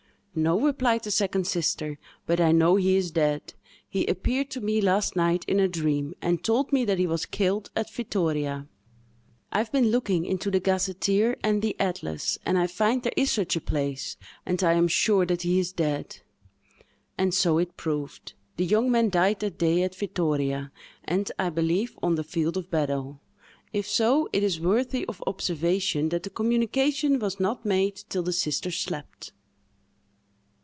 —"No," replied the second sister, "but I know he is dead! He appeared to me last night, in a dream, and told me that he was killed at Vittoria. I have been looking into the gazetteer and the atlas, and I find there is such a place, and I am sure that he is dead!" And so it proved: the young man died that day at Vittoria, and, I believe, on the field of battle. If so, it is worthy of observation that the communication was not made till the sisters slept.